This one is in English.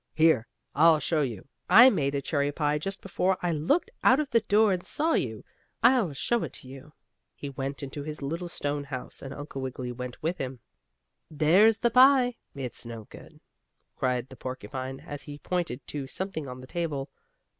Here, I'll show you. I made a cherry pie just before I looked out of the door and saw you. I'll show it to you." He went into his little stone house, and Uncle Wiggily went with him. "There's the pie it's no good!" cried the porcupine, as he pointed to something on the table.